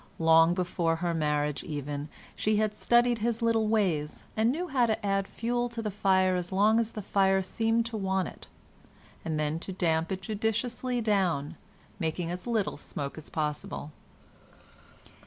Long before her marriage even she had studied his little ways, and knew how to add fuel to the fire as long as the fire seemed to want it, and then to damp it judiciously down, making as little smoke as possible.